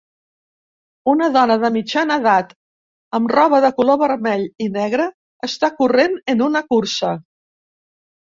Una dona de mitjana edat amb roba de color vermell i negre està corrent en una cursa.